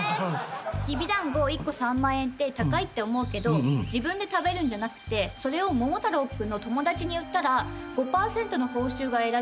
きびだんご１個３万円って高いって思うけど自分で食べるんじゃなくてそれを桃太郎君の友達に売ったら５％の報酬が得られるの。